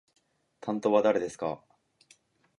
担当は誰ですか？